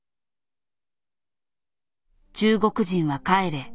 「中国人は帰れ」。